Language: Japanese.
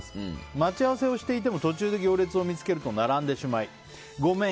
待ち合わせをしていても途中で行列を見つけると並んでしまいごめん